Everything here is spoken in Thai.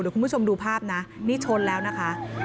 คุณผู้ชมดูภาพนะนี่ชนแล้วนะคะ